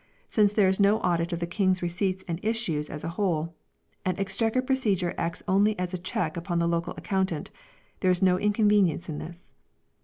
Since there is no audit of the King's Receipts and Issues as a whole, and Exchequer procedure acts only as a check upon the local accountant, there is no inconvenience in this.